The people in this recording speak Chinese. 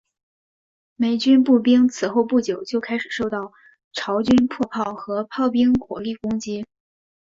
美军步兵此后不久就开始受到朝军迫炮和炮兵火力攻击。